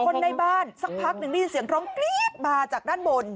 คนในบ้านสักพักหนึ่งได้ยินเสียงร้องกรี๊ดมาจากด้านบน